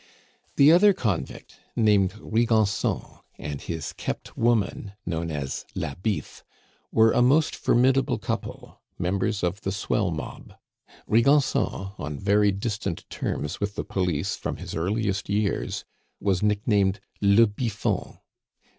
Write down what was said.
The other convict, named Riganson, and his kept woman, known as la Biffe, were a most formidable couple, members of the swell mob. Riganson, on very distant terms with the police from his earliest years, was nicknamed le Biffon.